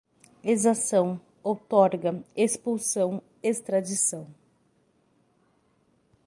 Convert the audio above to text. exação, outorga, expulsão, extradição